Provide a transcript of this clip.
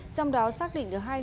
trong đó xác định được hai người